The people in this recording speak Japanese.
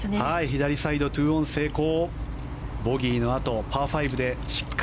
左サイド２オン成功。